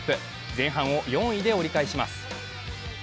前半を４位で折り返します。